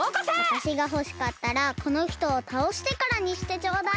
わたしがほしかったらこのひとをたおしてからにしてちょうだい！